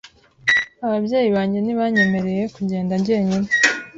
Ababyeyi banjye ntibanyemereye kugenda njyenyine.